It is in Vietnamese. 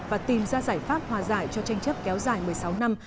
và tìm ra giải pháp hòa giải cho tranh chấp kéo dài một mươi sáu năm